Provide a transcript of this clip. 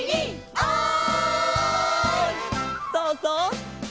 「おい！」